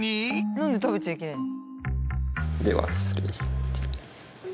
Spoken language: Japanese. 何で食べちゃいけないの？